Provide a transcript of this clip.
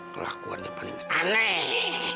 kelakuannya paling aneh